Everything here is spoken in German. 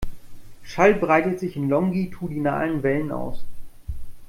Schall breitet sich in longitudinalen Wellen aus.